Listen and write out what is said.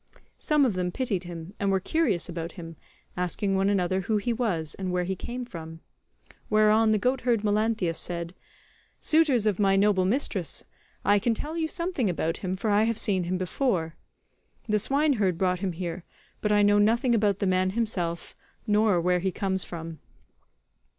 Some of them pitied him, and were curious about him, asking one another who he was and where he came from; whereon the goatherd Melanthius said, "Suitors of my noble mistress, I can tell you something about him, for I have seen him before. The swineherd brought him here, but I know nothing about the man himself, nor where he comes from."